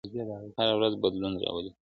هره ورځ بدلون راولي.